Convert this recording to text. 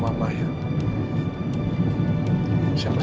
saya masih harus cari askara